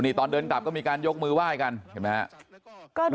นี่ตอนเดินกลับก็มีการยกมือไหว้กันเห็นไหมครับ